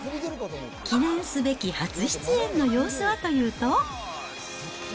記念すべき初出演の様子はというと。